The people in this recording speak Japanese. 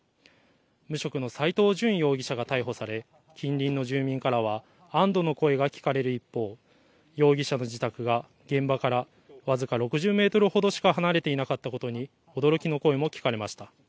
無職の斎藤淳容疑者が逮捕され近隣の住民からは安どの声が聞かれる一方容疑者の自宅が現場からわずか６０メートルほどしか離れていなかったことに驚きの声も聞かれました。